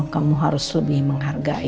kamu harus lebih menghargai elsa lah